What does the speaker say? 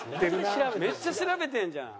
めっちゃ調べてんじゃん。